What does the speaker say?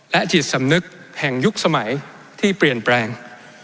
จิตสำนึกแห่งยุคสมัยที่เปลี่ยนแปลง